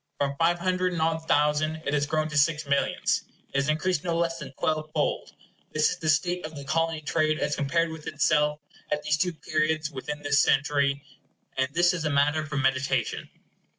.............. £0,364,000 £6,022,132 From five hundred and odd thousand, it has grown to six millions. It has increased no less than twelve fold. This is the state of the Colony trade as compared with itself at these two periods within this century;—and this is matter for meditation.